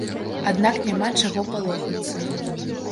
Аднак няма чаго палохацца.